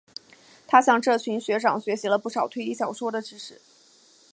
他向这群学长学习了不少推理小说的知识。